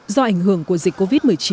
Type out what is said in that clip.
do ảnh hưởng của dịch covid một mươi chín